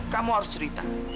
kamu harus cerita